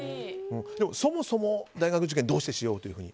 そもそも大学受験をどうしてしようと？